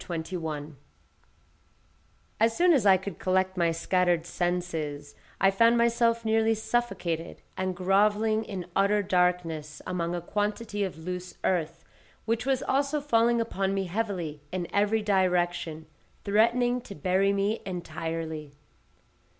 CHAPTER 21 As soon as I could collect my scattered senses, I found myself nearly suffocated, and grovelling in utter darkness among a quantity of loose earth, which was also falling upon me heavily in every direction, threatening to bury me entirely.